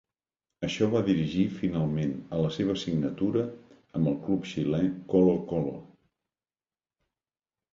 Això va dirigir finalment a la seva signatura amb el club xilè Colo-Colo.